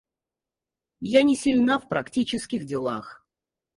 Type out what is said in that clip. Я не сильна в практических делах.